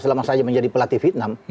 selama saja menjadi pelatih vietnam